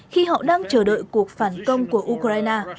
khi họ đang chờ đợi cuộc phản công của ukraine